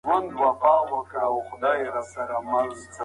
د دلارام خلک له خپلي خاورې سره ډېره مینه لري.